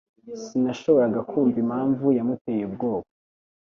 Sinashoboraga kumva impamvu yamuteye ubwoba